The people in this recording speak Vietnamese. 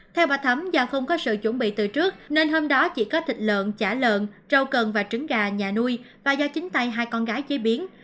theo bà thấm do không có sự chuẩn bị từ trước nên hôm đó chỉ có thịt lợn chả lợn rau cần và trứng gà nhà nuôi và do chính tay hai con gái chế biến